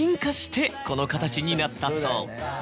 この形になったそう。